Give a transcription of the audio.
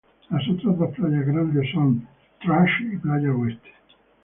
Las otras dos playas grandes son Trash y Playa Oeste.